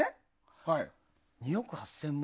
２億８０００万